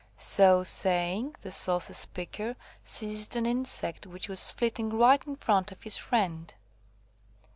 So saying, the saucy speaker seized an insect which was flitting right in front of his friend.